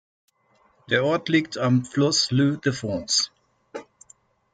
Der Ort liegt am Fluss Luy de France.